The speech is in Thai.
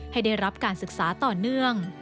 ให้ได้รับการศึกษาต่อเนื่อง